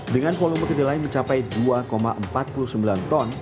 dengan volume kedelai mencapai dua empat puluh sembilan ton